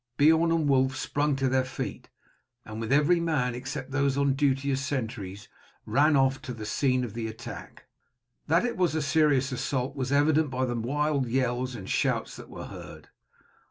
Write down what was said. Beorn and Wulf sprung to their feet, and with every man except those on duty as sentries ran off to the scene of attack. That it was a serious assault was evident by the wild yells and shouts that were heard.